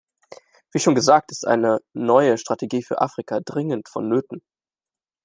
Wie schon gesagt, ist eine neue Strategie für Afrika dringend vonnöten.